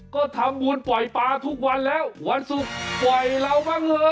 ก็ทำบุญปล่อยปลาทุกวันแล้ววันศุกร์ปล่อยเราบ้างเหรอ